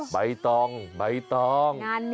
ใบตองใบตอง